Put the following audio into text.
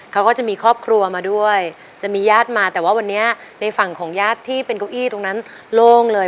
เขาก็จะมีครอบครัวมาด้วยจะมีญาติมาแต่ว่าวันนี้ในฝั่งของญาติที่เป็นเก้าอี้ตรงนั้นโล่งเลย